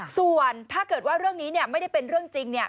ส่วนถ้าเกิดว่าเรื่องนี้ไม่ได้เป็นเรื่องจริง